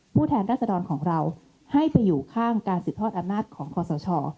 แทนรัศดรของเราให้ไปอยู่ข้างการสืบทอดอำนาจของคอสช